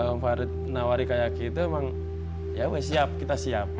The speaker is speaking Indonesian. om farid nawari kayak gitu emang ya udah siap kita siap